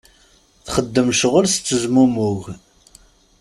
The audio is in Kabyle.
Txeddem ccɣel tettezmumug.